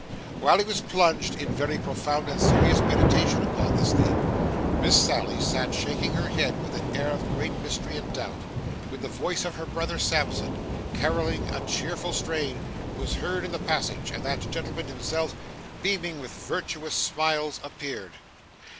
While he was plunged in very profound and serious meditation upon this theme, Miss Sally sat shaking her head with an air of great mystery and doubt; when the voice of her brother Sampson, carolling a cheerful strain, was heard in the passage, and that gentleman himself, beaming with virtuous smiles, appeared.